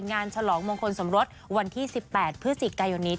ฉลองมงคลสมรสวันที่๑๘พฤศจิกายนนี้